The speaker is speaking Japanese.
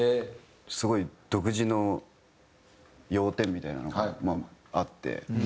すごい独自の要点みたいなのがあって。